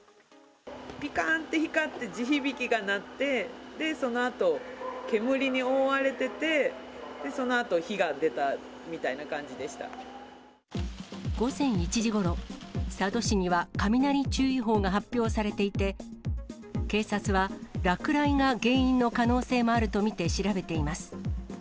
ぴかーんって光って、地響きが鳴って、そのあと、煙に覆われてて、そのあと火が出たみたいな午前１時ごろ、佐渡市には雷注意報が発表されていて、警察は、落雷が原因の可能性もあると見て調べています。